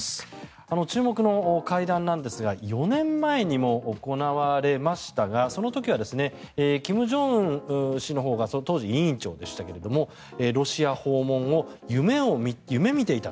注目の会談なんですが４年前にも行われましたがその時は金正恩氏のほうが当時、委員長でしたがロシア訪問を夢見ていた。